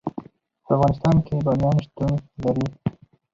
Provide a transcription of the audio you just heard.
په افغانستان کې بامیان شتون لري.